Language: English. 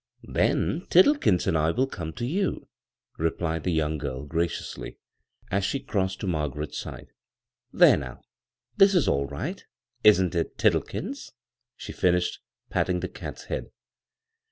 " Then Tiddlekins and I will come to you," replied the young girl, gradously, as she crossed to Margaret's dde. "There, now, this is all right; isn't it, Tiddlekins?" she finished, patting the cat's head.